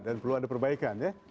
dan perlu ada perbaikan ya